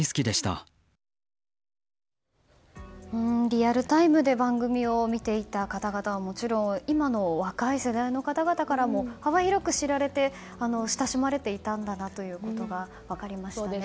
リアルタイムで番組を見ていた方々はもちろん、今の若い世代の方々からも幅広く知られて親しまれていたんだなということが分かりましたね。